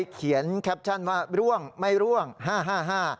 เขียนแคปชั่นว่าร่วงไม่ร่วงห้าห้า